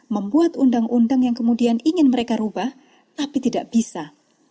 membuat undang undang yang kemudian ingin mereka rubah tapi tidak bisa